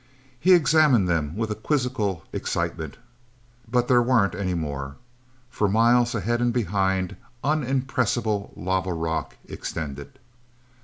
He examined them with a quizzical excitement. But there weren't any more. For miles, ahead and behind, unimpressable lava rock extended.